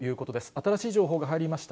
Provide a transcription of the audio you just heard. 新しい情報が入りました。